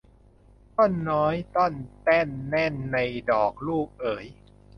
ก็น้อยต้อนเต้นแน่นในดอกลูกเอ๋ย